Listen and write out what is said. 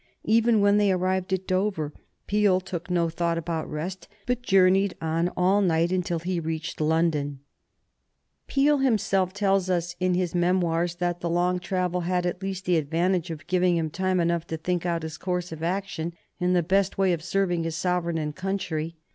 Even when they arrived at Dover, Peel took no thought about rest, but journeyed on all night until he reached London. [Sidenote: 1834 The difficulties that beset Peel] Peel himself tells us in his memoirs that the long travel had at least the advantage of giving him time enough to think out his course of action and the best way of serving his sovereign and his country.